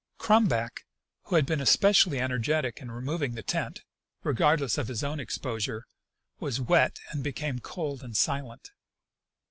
Crumback, who had been especially energetic in removing the tent, regard less of his own exposure, was wet and became cold and silent.